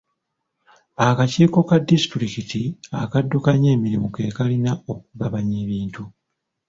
Akakiiko ka disitulikiti akaddukanya emirimu ke kalina okugabanya ebintu.